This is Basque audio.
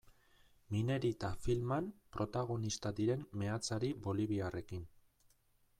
Minerita filman protagonista diren meatzari boliviarrekin.